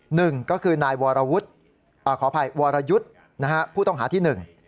หนึ่งก็คือนายวรวุฒิอ่าขออภัยวรยุทธ์นะฮะผู้ต้องหาที่หนึ่ง